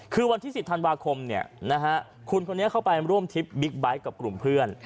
คือวันที่๑๐ธันวาคมคุณคนนี้เข้าไปร่วมทริปบิ๊กไบท์กับกลุ่มเพื่อน